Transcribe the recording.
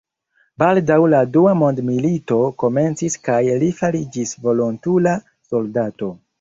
Baldaŭ la dua mond-milito komencis kaj li fariĝis volontula soldato.